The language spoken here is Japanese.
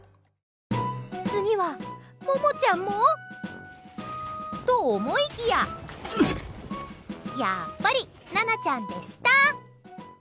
次は、ももちゃんも？と、思いきややっぱり奈々ちゃんでした。